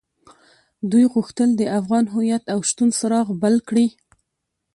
دوی غوښتل د افغان هويت او شتون څراغ بل کړي.